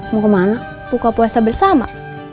mau ke mana buka puasa bersama